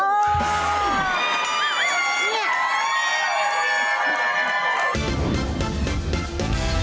อ๋อนี่